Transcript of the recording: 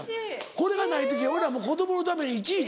これがない時俺らもう子供のためにいちいち。